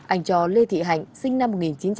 anh cho lê thị hạnh sinh năm một nghìn chín trăm bảy mươi ba